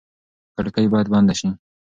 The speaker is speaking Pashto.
کړکۍ باید بنده شي.